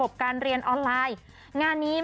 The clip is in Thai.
แม่โบกับน้องมะลิยอมรับแม่โบกับน้องมะลิยอมรับ